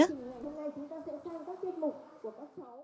hôm nay chúng ta sẽ sang các chương trình của các cháu